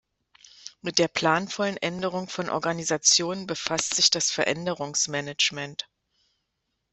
Mit der planvollen Änderung von Organisationen befasst sich das Veränderungsmanagement.